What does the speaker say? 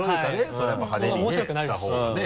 それはやっぱ派手にしたほうがね。